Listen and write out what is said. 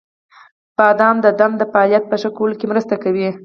• بادام د دمه د فعالیت په ښه کولو کې مرسته کوي.